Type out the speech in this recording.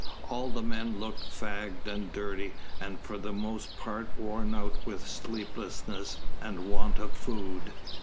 All the men looked fagged and dirty and for the most part worn out with sleeplessness and want of food.